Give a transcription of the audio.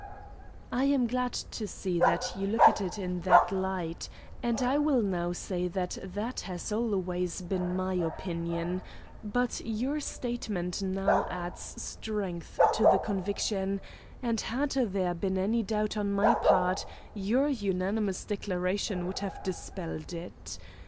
"I am glad to see that you look at it in that light, and I will now say that that has always been my opinion, but your statement now adds strength to the conviction, and had there been any doubt on my part, your unanimous declaration would have dispelled it.